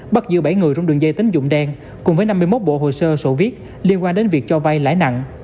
bắt giữ bảy người trong đường dây tính dụng đen cùng với năm mươi một bộ hồ sơ sổ viết liên quan đến việc cho vay lãi nặng